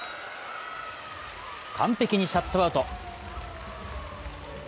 完璧にシャットアウト。